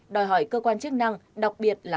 đòi hỏi cơ quan chức năng đặc biệt là